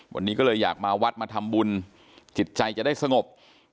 วันนี้ก็เลยอยากมาวัดมาทำบุญจิตใจจะได้สงบ